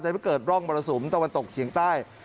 ไม่เกิดร่องมรสุมตะวันตกเฉียงใต้